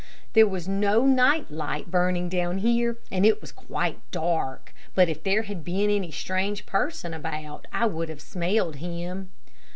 There was no night light burning down here, and it was quite dark, but if there had been any strange person about I would have smelled him.